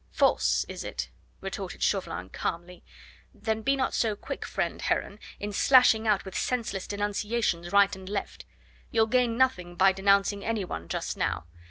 "False, is it?" retorted Chauvelin calmly; "then be not so quick, friend Heron, in slashing out with senseless denunciations right and left. You'll gain nothing by denouncing any one just now.